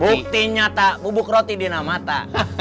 bukti nyata bubuk roti dinamata